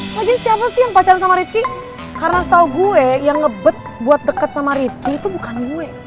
lagi siapa sih yang pacaran sama rifki karena setahu gue yang ngebet buat dekat sama rifki itu bukan gue